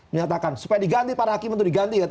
menyatakan supaya diganti para hakim untuk diganti